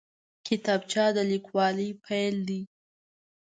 کتابچه د لیکوالۍ پیل دی